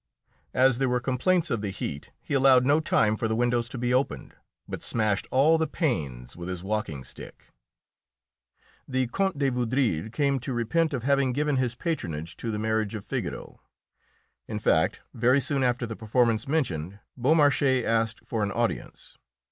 As there were complaints of the heat, he allowed no time for the windows to be opened, but smashed all the panes with his walking stick. The Count de Vaudreuil came to repent of having given his patronage to the "Marriage of Figaro." In fact, very soon after the performance mentioned Beaumarchais asked for an audience.